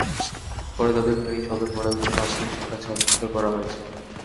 পরে তাঁদের ফেনী সদর মডেল থানা পুলিশের কাছে হস্তান্তর করা হয়েছে।